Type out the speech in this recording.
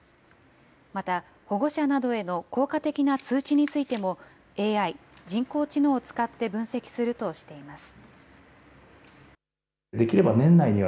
また、保護者などへの効果的な通知についても、ＡＩ・人工知能を使って分析するとしています。